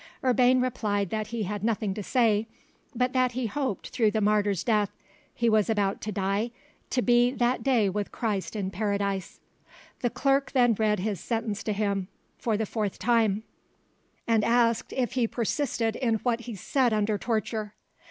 Urbain replied that he had nothing to say, but that he hoped through the martyr's death he was about to die to be that day with Christ in Paradise. The clerk then read his sentence to him for the fourth time, and asked if he persisted in what he said under torture.